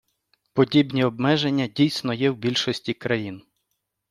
Подібні обмеження, дійсно, є в більшості країн.